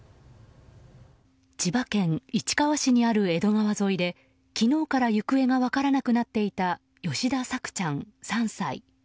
千葉県市川市にある江戸川沿いで昨日から行方が分からなくなっていた吉田朔ちゃん、３歳。